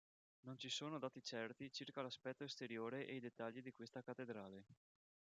Non ci sono dati certi circa l'aspetto esteriore e i dettagli di questa cattedrale.